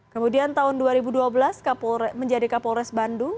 kemudian tahun dua ribu dua belas menjadi kapolres bandung